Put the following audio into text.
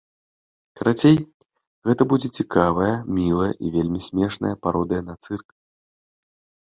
Карацей, гэта будзе цікавая, мілая і вельмі смешная пародыя на цырк.